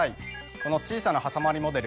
この小さなはさまりモデル